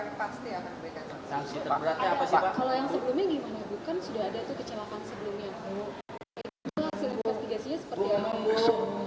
itu hasil investigasinya seperti yang